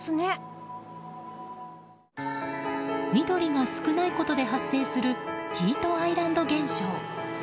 緑が少ないことで発生するヒートアイランド現象。